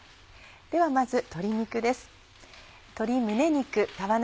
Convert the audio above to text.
ではまず鶏肉です。